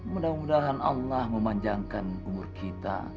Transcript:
mudah mudahan allah memanjangkan umur kita